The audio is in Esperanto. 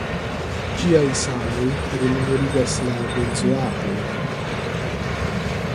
Ĝiaj saloj rememorigas la benzoatojn.